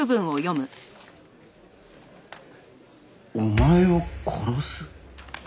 「お前を殺す」。